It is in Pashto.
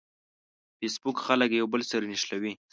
فېسبوک خلک یو بل سره نښلوي